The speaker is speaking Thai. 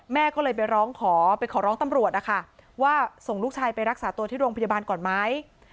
แม่ก็เลยไปร้องขอไปขอร้องตำรวจนะคะว่าส่งลูกชายไปรักษาตัวที่โรงพยาบาลก่อนไหม